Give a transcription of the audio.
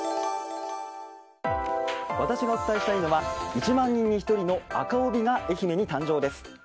私がお伝えしたいのは１万人に１人の赤帯が愛媛に誕生です。